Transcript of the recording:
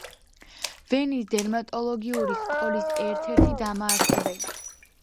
ვენის დერმატოლოგიური სკოლის ერთ-ერთი დამაარსებელი.